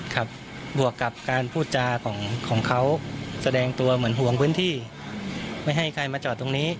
บวกกับการพูดจาของเขาแสดงตัวเหมือนห่วงพื้นที่ไม่ให้ใครมาจอดตรงนี้